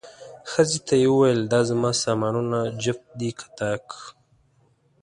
ښځې ته یې وویل، دا زما سامانونه جفت دي که طاق؟